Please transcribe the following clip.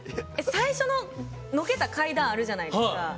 最初の、乗ってた階段あったじゃないですか。